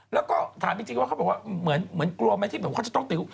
แล้วก็ถามจริงเขาบอกว่าเหมือนกลัวไหมเขาจะต้องติ๊ว